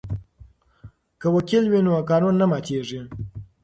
که وکیل وي نو قانون نه ماتیږي.